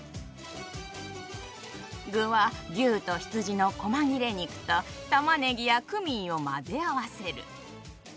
具は牛と羊のこま切れ肉とたまねぎやクミンを混ぜ合わせる。